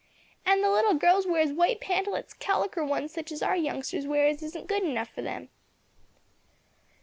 "And the little girls wears white pantalets caliker ones such as our youngsters wears isn't good enough for them."